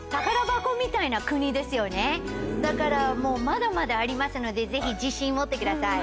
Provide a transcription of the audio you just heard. みたいな国ですよねだからもうまだまだありますのでぜひ自信持ってください。